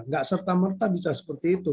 gak serta merta bisa seperti itu